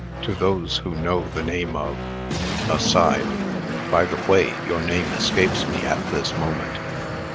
To those who know the name of " (Aside) "By the way, your name escapes me at this moment."